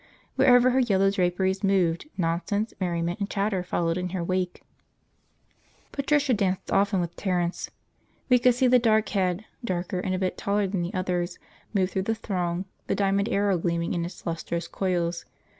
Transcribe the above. Wherever her yellow draperies moved, nonsense, merriment, and chatter followed in her wake. Patricia danced often with Terence. We could see the dark head, darker and a bit taller than the others, move through the throng, the diamond arrow gleaming in its lustrous coils.